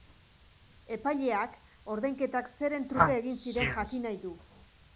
Epaileak ordainketak zeren truke egin ziren jakin nahi du.